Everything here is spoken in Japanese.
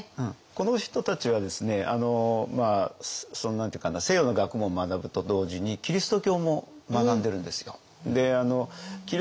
この人たちはですね何て言うかな西洋の学問を学ぶと同時にキリスト教も学んでるんですよ。